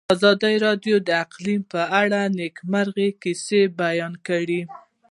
ازادي راډیو د اقلیم په اړه د نېکمرغۍ کیسې بیان کړې.